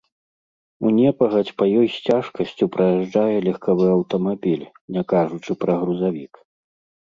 У непагадзь па ёй з цяжкасцю праязджае легкавы аўтамабіль, не кажучы пра грузавік.